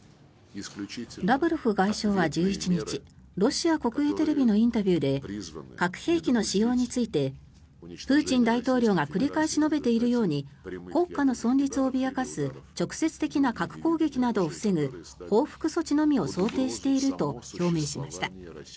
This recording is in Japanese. ラブロフ外相は１１日ロシア国営テレビのインタビューで核兵器の使用についてプーチン大統領が繰り返し述べているように国家の存立を脅かす直接的な核攻撃などを防ぐ報復措置のみを想定していると表明しました。